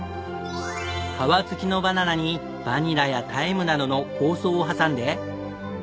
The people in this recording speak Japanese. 皮付きのバナナにバニラやタイムなどの香草を挟んで。